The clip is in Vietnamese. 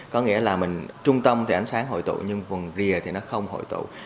có nghĩa là trung tâm thì ánh sáng hội tụ nhưng vùng rìa thì nó không hội tụ